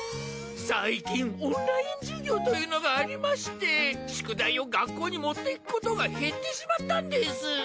最近オンライン授業というのがありまして宿題を学校に持っていくことが減ってしまったんです。